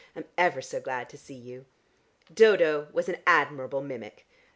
I'm ever so glad to see you." Dodo was an admirable mimic.